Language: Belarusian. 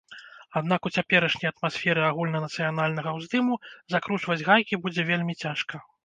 Аднак у цяперашняй атмасферы агульнанацыянальнага ўздыму закручваць гайкі будзе вельмі цяжка.